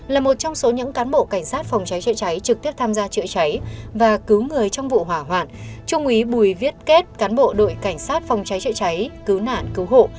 là một trong số những cán bộ cảnh sát phòng cháy chữa cháy trực tiếp tham gia chữa cháy và cứu người trong vụ hỏa hoạn trung úy bùi viết kết cán bộ đội cảnh sát phòng cháy chữa cháy cứu nạn cứu hộ